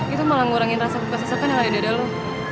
itu malah ngurangin rasa kesesakan yang ada di dada lo